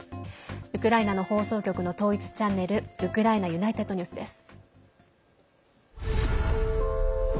ウクライナの放送局の統一チャンネルウクライナＵｎｉｔｅｄＮｅｗｓです。